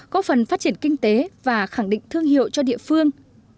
có phần phát triển kinh tế và khẳng định thương hiệu cho địa phương